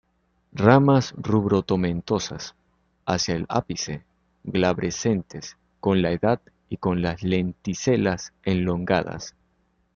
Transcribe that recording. Ramas rubro-tomentosas hacia el ápice, glabrescentes con la edad y con lenticelas elongadas.